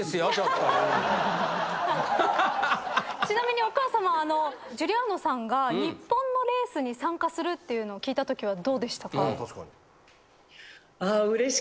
ちなみにお母さまジュリアーノさんが日本のレースに参加するっていうのを聞いたときはどうでしたか？